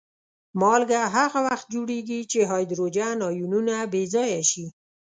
مالګه هغه وخت جوړیږي چې هایدروجن آیونونه بې ځایه شي.